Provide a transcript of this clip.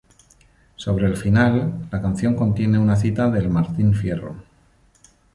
Sobre el final, la canción contiene una cita del Martín Fierro.